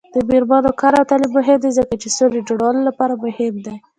د میرمنو کار او تعلیم مهم دی ځکه چې سولې جوړولو لپاره مهم دی.